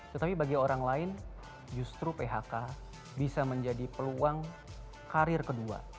tetapi bagi orang lain justru phk bisa menjadi peluang karir kedua